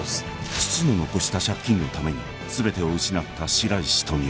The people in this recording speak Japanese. ［父の残した借金のために全てを失った白石富生］